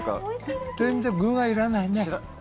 全然、具がいらないね。